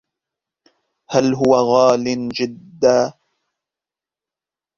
هل هو غال جدا؟